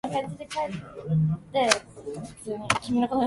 いこーーーーーーぉ